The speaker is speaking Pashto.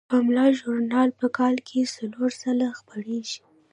پملا ژورنال په کال کې څلور ځله خپریږي.